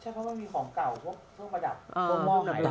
ใช่เพราะว่ามันมีของเก่าเพราะเครื่องประดับ